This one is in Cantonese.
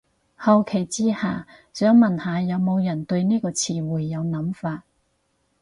好奇之下，想問下有無人對呢個詞彙有諗法